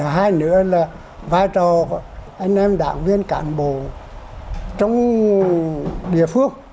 hai nữa là vai trò của anh em đảng viên cản bộ trong địa phương